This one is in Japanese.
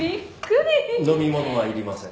飲み物はいりません。